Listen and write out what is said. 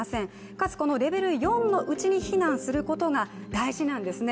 かつ、このレベル４のうちに避難することが大事なんですね。